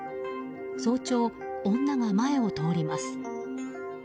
早朝、女が前を通ります。